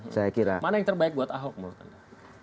mana yang terbaik buat ahok menurut anda